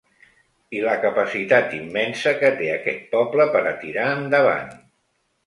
I la capacitat immensa que té aquest poble per a tirar endavant.